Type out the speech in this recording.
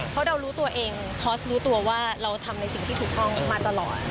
เพราะเรารู้ตัวเองพอสรู้ตัวว่าเราทำในสิ่งที่ถูกต้องมาตลอด